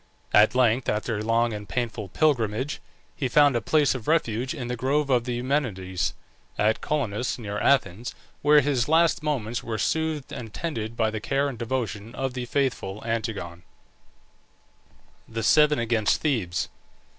At length, after a long and painful pilgrimage, he found a place of refuge in the grove of the Eumenides (at Colonus, near Athens), where his last moments were soothed and tended by the care and devotion of the faithful Antigone. THE SEVEN AGAINST THEBES.